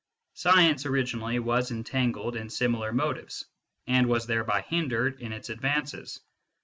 Science, originally, was entangled in similar motives, and was thereby hindered in its advances.